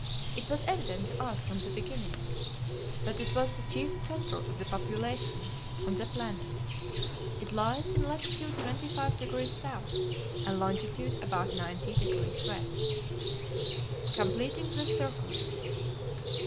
It was evident to us from the beginning that it was the chief centre of population on the planet. It lies in latitude 25 degrees South and longitude about 90 degrees west. Completing the Circuit.